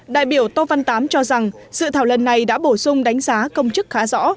đại biểu tô văn tám cho rằng dự thảo lần này đã bổ sung đánh giá công chức khá rõ